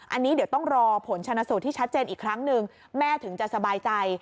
อันนี้เดี๋ยวต้องรอผลชนะสูตรที่ชัดเจนอีกครั้งหนึ่งแม่ถึงจะสบายใจ